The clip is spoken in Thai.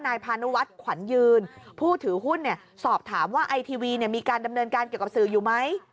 พานุวัฒน์ขวัญยืนผู้ถือหุ้นสอบถามว่าไอทีวีมีการดำเนินการเกี่ยวกับสื่ออยู่ไหม